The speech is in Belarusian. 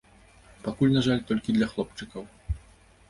Пакуль, на жаль, толькі для хлопчыкаў.